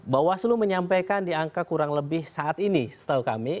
bawaslu menyampaikan di angka kurang lebih saat ini setahu kami